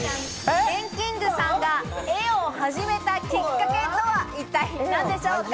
ＧＥＮＫＩＮＧ．さんが絵を始めたきっかけとは一体何でしょうか？